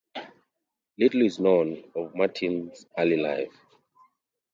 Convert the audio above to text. Little is known of Martin's early life.